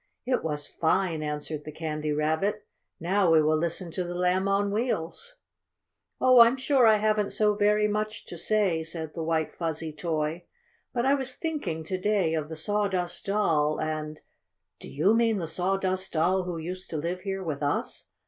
"It was fine!" answered the Candy Rabbit. "Now we will listen to the Lamb on Wheels." "Oh, I'm sure I haven't so very much to say," said the white, fuzzy toy. "But I was thinking, to day, of the Sawdust Doll, and " "Do you mean the Sawdust Doll who used to live here with us?"